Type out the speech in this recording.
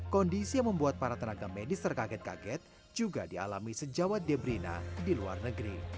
kondisi yang membuat para tenaga medis terkaget kaget juga dialami sejawat debrina di luar negeri